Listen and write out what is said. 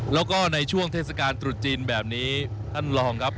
แล้วก็ในช่วงเทศกาลตรุษจีนแบบนี้ท่านรองครับ